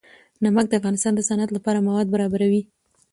نمک د افغانستان د صنعت لپاره مواد برابروي.